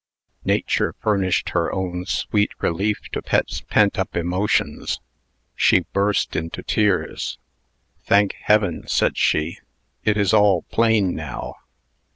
Nature furnished her own sweet relief to Pet's pent up emotions. She burst into tears. "Thank Heaven," said she, "it is all plain now!"